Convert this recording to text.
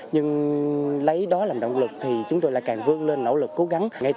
nhưng lấy đó làm động lực thì chúng tôi lại càng vươn lên nỗ lực cố gắng